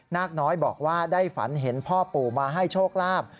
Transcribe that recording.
นาคน้อยบอกว่าได้ฝันเห็นพ่อปู่มาให้โชคลาภ